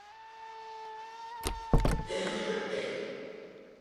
Jeho zvolení vyústilo v nespokojenost stoupenců opozice.